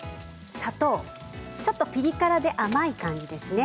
砂糖、ピリ辛で甘い感じですね。